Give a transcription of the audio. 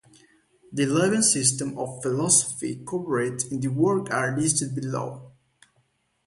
The eleven systems of philosophy covered in the work are listed below.